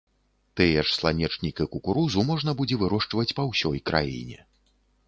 Тыя ж сланечнік і кукурузу можна будзе вырошчваць па ўсёй краіне.